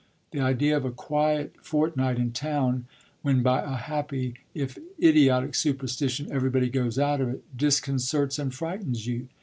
The idea of a quiet fortnight in town, when by a happy if idiotic superstition everybody goes out of it, disconcerts and frightens you.